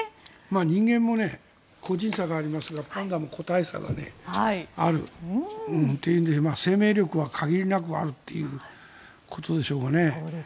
人間も個人差がありますがパンダも個体差があるというので生命力は限りなくあるということでしょうがね。